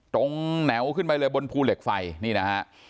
ตรงแหนวขึ้นไปเลยบนภูเหล็กไฟนี่นะฮะ